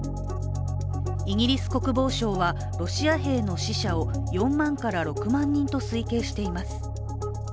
イギリス国防省はロシア兵の死者を４万から６万人と推計しています。